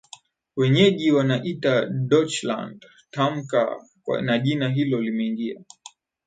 Wenyeji wanaiita Deutschland tamka na jina hilo limeingia